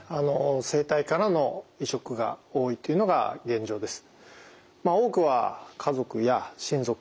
生体からの移植が多いというのが現状です。